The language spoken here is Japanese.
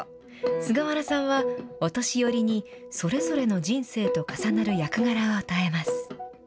菅原さんは、お年寄りにそれぞれの人生と重なる役柄を与えます。